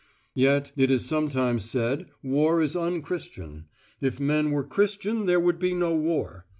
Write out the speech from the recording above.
Yet, it is sometimes said, war is unchristian. If men were Christian there would be no war.